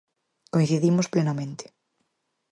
Coincidimos plenamente.